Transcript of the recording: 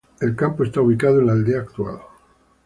El campo estaba ubicado en la aldea actual.